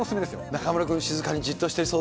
中丸君、静かにじっとしてそ